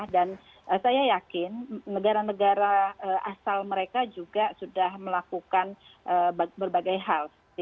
saya yakin negara negara asal mereka juga sudah melakukan berbagai hal